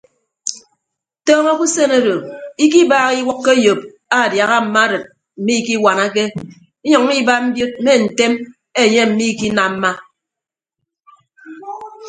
Tọọñọ ke usen odo ikibaaha iwʌkkọ eyop aadiaha mma arịd mmikiwanake inyʌññọ iba mbiod mme ntem enye mmikinamma.